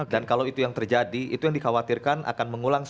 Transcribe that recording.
dan kalau itu yang terjadi itu yang dikhawatirkan akan mengulang sembilan puluh delapan